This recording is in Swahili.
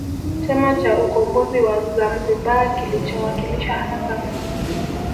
Chama cha Ukombozi wa Zamzibar kilichowakilisha hasa